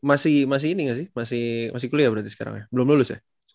uph berarti masih kuliah berarti sekarang ya belum lulus ya